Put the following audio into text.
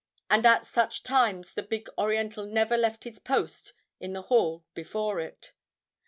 And at such times the big Oriental never left his post in the hall before it.